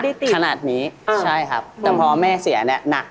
เขาทำได้เหมือนพ่อเขามาก